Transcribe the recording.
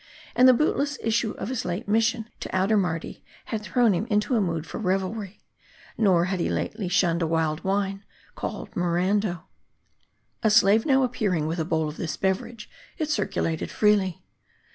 And the bootless issue of his late mission to outer Mardi had thrown him into a mood for revelry. Nor had he lately shunned a wild wine, called Morando. M A R D I. 295 A slave now appearing with a bowl of this beverage, it circulated freely.